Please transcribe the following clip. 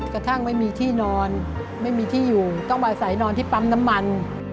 กระทั่งไม่มีที่นอนไม่มีที่อยู่ต้องอาศัยนอนที่ปั๊มน้ำมัน